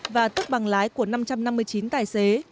và tức bằng lái của năm trăm năm mươi chiếc xe máy